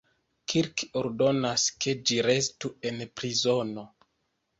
Kirk ordonas ke ĝi restu en prizono.